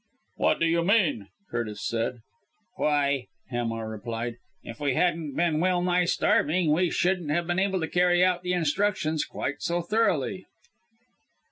"What do you mean?" Curtis said. "Why," Hamar replied, "if we hadn't been well nigh starving we shouldn't have been able to carry out the instructions quite so thoroughly."